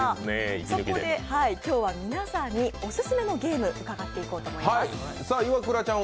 そこで今日は皆さんにオススメのゲームを伺っていこうと思います。